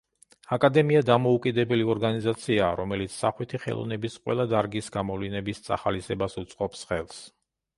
აკადემია დამოუკიდებელი ორგანიზაციაა, რომელიც სახვითი ხელოვნების ყველა დარგის გამოვლინების წახალისებას უწყობს ხელს.